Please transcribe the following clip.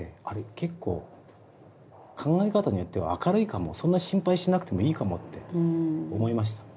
結構考え方によっては明るいかもそんな心配しなくてもいいかもって思いました。